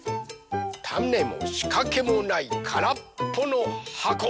たねもしかけもないからっぽのはこ。